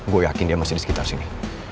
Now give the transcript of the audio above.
gue yakin dia masih disekitar sini